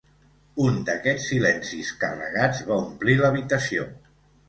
Un d'aquests silencis carregats va omplir l'habitació.